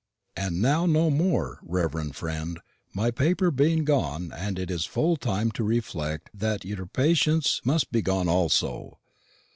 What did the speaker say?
"And now no more, reverend friend, my paper being gone and it being full time to reflect that y'r patience must be gone also.